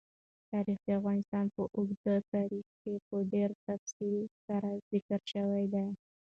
تاریخ د افغانستان په اوږده تاریخ کې په ډېر تفصیل سره ذکر شوی دی.